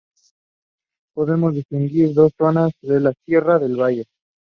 Podemos distinguir dos zonas: la sierra y el valle.